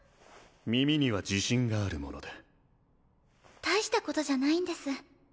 耳には自信があるものでたいしたことじゃないんです